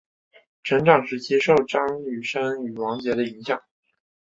成长时期受张雨生与王杰的影响。